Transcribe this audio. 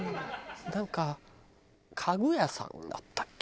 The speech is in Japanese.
なんか家具屋さんだったっけ？